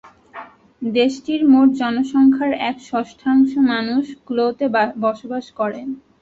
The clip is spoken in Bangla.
দেশটির মোট জনসংখ্যার এক-ষষ্ঠাংশ মানুষ ক্লো’তে বসবাস করে।